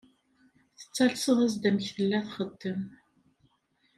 Tattales-as-d amek tella txeddem.